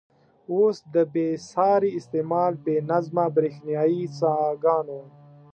اوس د بې ساري استعمال، بې نظمه برېښنايي څاګانو.